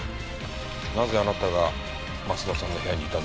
なぜあなたが鱒乃さんの部屋にいたんですか？